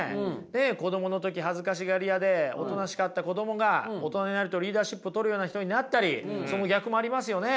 子供の時恥ずかしがり屋でおとなしかった子供が大人になるとリーダーシップを取るような人になったりその逆もありますよね。